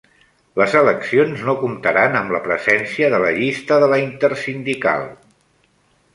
Les eleccions no comptaran amb la presència de la llista de la Intersindical